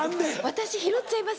私拾っちゃいます